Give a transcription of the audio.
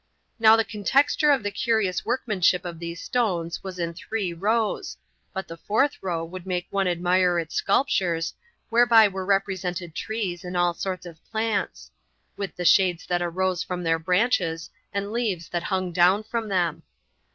Now the contexture of the curious workmanship of these stones was in three rows, but the fourth row would make one admire its sculptures, whereby were represented trees, and all sorts of plants; with the shades that arose from their branches, and leaves that hung down from them.